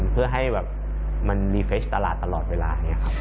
เพื่อให้มันรีเฟสต์ตลาดตลอดเวลา